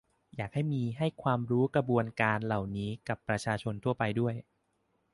อยากให้มีให้ความรู้กระบวนการเหล่านี้กับประชาชนทั่วไปด้วย